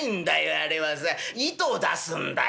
あれはさ糸出すんだよ。